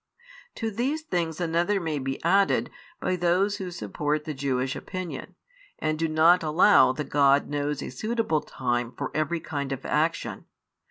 To these things another may be added by those who support the Jewish opinion, and do not allow that God knows a suitable time for every kind of action.